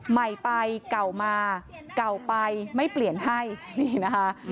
ใหม่ไปเก่ามาเก่าไปไม่เปลี่ยนให้นี่นะคะ